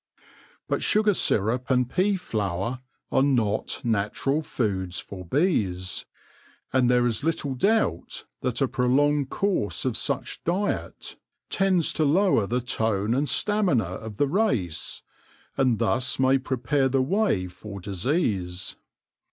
But sugar syrup and pea flour are not natural foods for bees, and there is little doubt that a prolonged THE MODERN BEE FARM 183 course of such diet tends to lower the tone and stamina of the race, and thus may prepare the way for disease.